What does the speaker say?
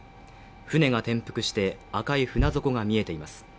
船が転覆して、赤い船底が見えています。